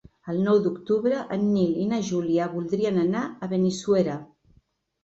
El nou d'octubre en Nil i na Júlia voldrien anar a Benissuera.